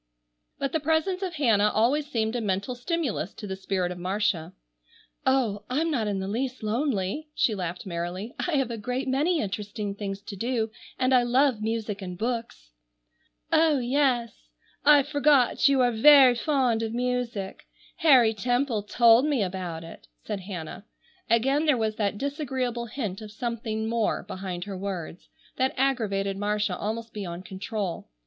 But the presence of Hannah always seemed a mental stimulus to the spirit of Marcia. "Oh, I'm not in the least lonely," she laughed merrily. "I have a great many interesting things to do, and I love music and books." "Oh, yes, I forgot you are very fond of music. Harry Temple told me about it," said Hannah. Again there was that disagreeable hint of something more behind her words, that aggravated Marcia almost beyond control.